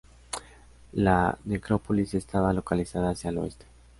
La necrópolis estaba localizada hacia el oeste.